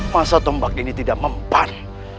masa tombak ini tidak mempan